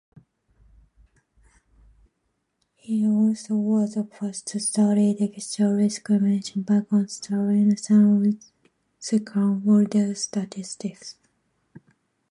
He also was the first to study texture discrimination by constraining second-order statistics.